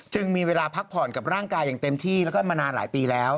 มีเวลาพักผ่อนกับร่างกายอย่างเต็มที่แล้วก็มานานหลายปีแล้ว